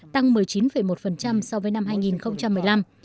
tăng một mươi chín một so với năm hai nghìn một mươi năm